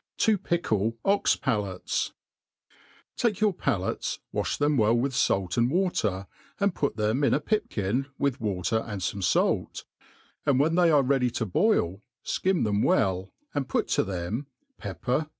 To pickle Ox Palates. TAKE your palates, wafli them well with fait and water, and put them in a pipkin with water and fome fait ; and when they are ready to boil, fkim them well, and put to them pepper, cloves.